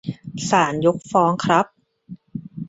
ศาลยกฟ้องครับ :'